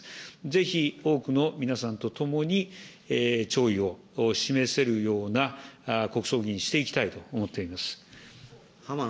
ぜひ多くの皆さんと共に、弔意を示せるような国葬儀にしていきたいと思っています。